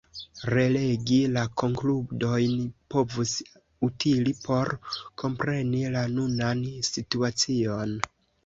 Relegi la konkludojn povus utili por kompreni la nunan situacion.